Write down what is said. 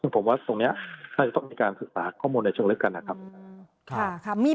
ผมว่าตรงนี้น่าจะต้องมีการศึกษาข้อมูลในช่วงละกัน